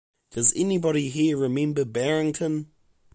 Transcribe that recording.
Does anybody here remember Barrington?